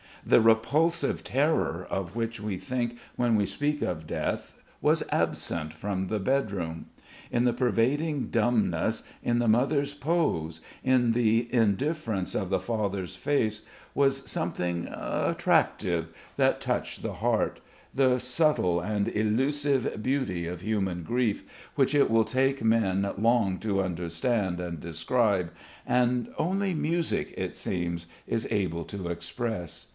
The repulsive terror of which we think when we speak of death was absent from the bed room. In the pervading dumbness, in the mother's pose, in the indifference of the doctor's face was something attractive that touched the heart, the subtle and elusive beauty of human grief, which it will take men long to understand and describe, and only music, it seems, is able to express.